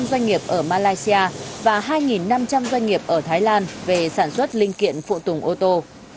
năm doanh nghiệp ở malaysia và hai năm trăm linh doanh nghiệp ở thái lan về sản xuất linh kiện phụ tùng ô tô